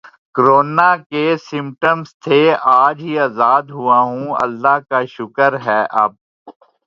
Covid کے symptoms تھے اج ہی ازاد ہوا ہوں اللہ کا شکر ہے اب